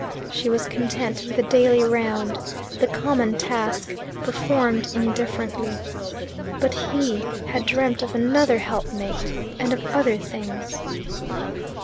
She was content with the daily round, the common task, performed indifferently. But he had dreamt of another helpmate, and of other things.